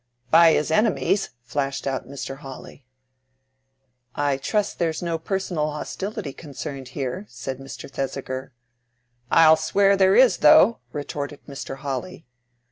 "By his enemies," flashed out Mr. Hawley. "I trust there is no personal hostility concerned here," said Mr. Thesiger. "I'll swear there is, though," retorted Mr. Hawley.